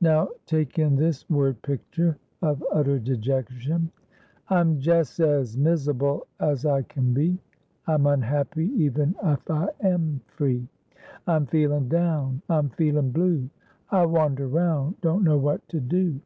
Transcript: Now, take in this word picture of utter dejection: "I'm jes' as misabul as I can be, I'm unhappy even if I am free, I'm feelin' down, I'm feelin' blue; I wander 'round, don't know what to do.